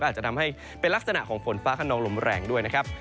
อาจจะทำให้เป็นลักษณะของฝนฟ้าขนองลมแรงด้วยนะครับ